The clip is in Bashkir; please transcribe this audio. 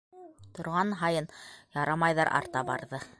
Торған һайын «ярамай»ҙар арта барҙы.